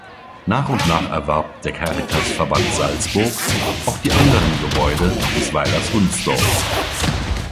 Nach und nach erwarb der Caritasverband Salzburg auch die anderen Gebäude des Weilers Hundsdorf.